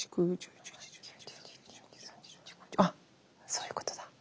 あっそういうことだ。え？